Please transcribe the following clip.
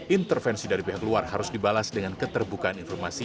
intervensi dari pihak luar harus dibalas dengan keterbukaan informasi